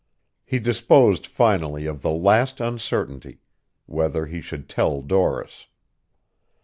He disposed finally of the last uncertainty, whether he should tell Doris.